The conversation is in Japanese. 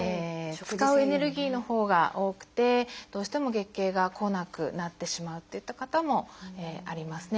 使うエネルギーのほうが多くてどうしても月経が来なくなってしまうっていった方もありますね。